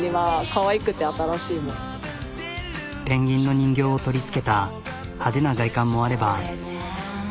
ペンギンの人形を取り付けた派手な外観もあれば。